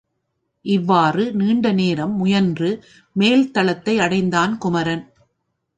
இவ்வாறு நீண்ட நேரம் முயன்று மேல்தளத்தை அடைந்தான் குமரன்.